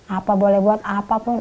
apa boleh buat apapun